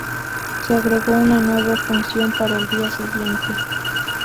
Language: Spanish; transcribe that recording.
Se agregó una nueva función para el día siguiente.